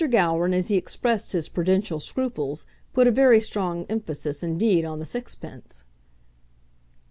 Gowran, as he expressed his prudential scruples, put a very strong emphasis indeed on the sixpence.